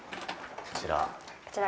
こちら。